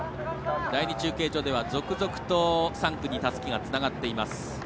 第２中継所では続々と３区にたすきがつながっています。